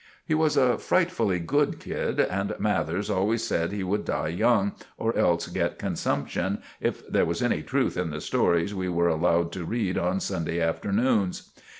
He was a frightfully good kid, and Mathers always said he would die young, or else get consumption, if there was any truth in the stories we were allowed to read on Sunday afternoons.